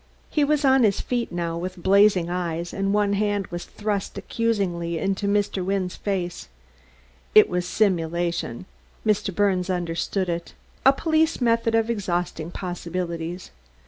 He was on his feet now, with blazing eyes, and one hand was thrust accusingly into Mr. Wynne's face. It was simulation; Mr. Birnes understood it; a police method of exhausting possibilities.